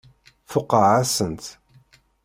Tuqeε-asent.